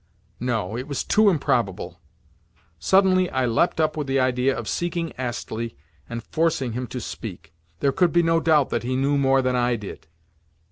No, it was too improbable. Suddenly I leapt up with the idea of seeking Astley and forcing him to speak. There could be no doubt that he knew more than I did.